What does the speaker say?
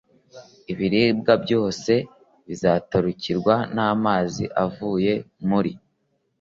Ibiribwa byose bizatarukirwa n amazi avuye muri